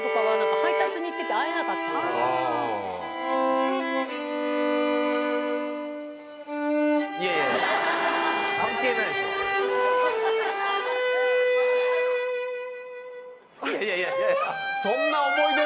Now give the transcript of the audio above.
配達に行ってて会えなかったんですよね。いやいや。